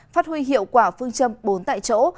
phát huy hiệu quả phương châm bốn tại chỗ